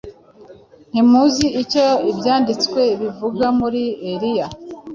Ntimuzi icyo ibyanditswe bivuga kuri Eliya